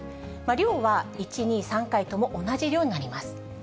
量は１、２、３回とも同じ量になります。